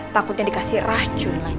takutnya dikasih racun lagi